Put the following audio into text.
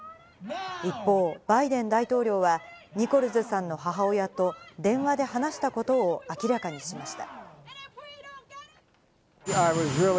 一方、バイデン大統領は、ニコルズさんの母親と電話で話したことを明らかにしました。